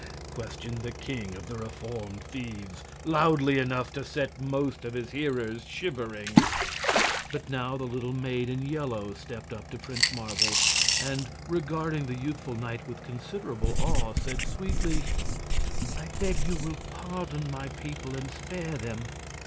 questioned the King of the Reformed Thieves, loudly enough to set most of his hearers shivering. But now the little maid in yellow stepped up to Prince Marvel and, regarding the youthful knight with considerable awe, said sweetly: "I beg you will pardon my people and spare them.